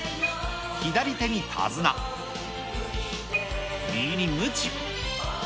左手に手綱、右にむち。